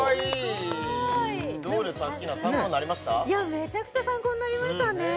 めちゃくちゃ参考になりましたね